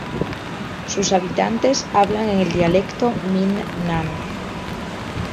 Sus habitantes hablan el dialecto Min Nan.